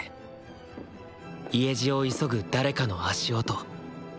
家路を急ぐ誰かの足音。